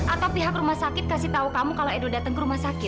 atau pihak rumah sakit kasih tahu kamu kalau edo datang ke rumah sakit